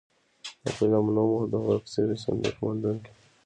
د فلم نوم و د ورک شوي صندوق موندونکي.